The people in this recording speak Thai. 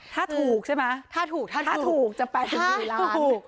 ถ้าถูกใช่ไหมถ้าถูกถ้าถูกถ้าถูกจะแปดสิบสี่ล้าน